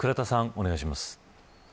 お願いします。